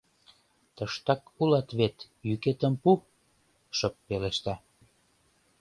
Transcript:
Тыштак улат вет, йӱкетым пу! — шып пелешта.